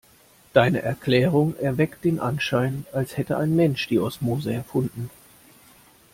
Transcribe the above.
Deine Erklärung erweckt den Anschein, als hätte ein Mensch die Osmose erfunden.